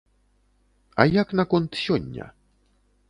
А як наконт сёння?